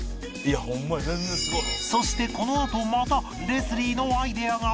そしてこのあとまたレスリーのアイデアが！